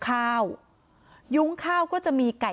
นางศรีพรายดาเสียยุ๕๑ปี